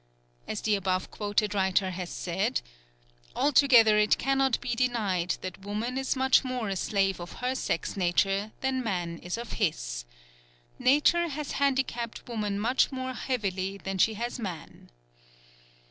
As the above quoted writer has said: "Altogether it cannot be denied that woman is much more a slave of her sex nature than man is of his. Nature has handicapped woman much more heavily than she has man."